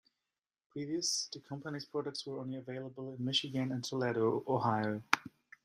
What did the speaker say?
Previous, the company's products were only available in Michigan and Toledo, Ohio.